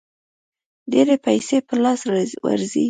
ډېرې پیسې په لاس ورځي.